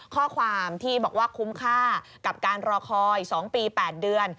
ข้อความที่บอกว่าคุ้มค่ากับการรอคอย๒ปี๘เดือน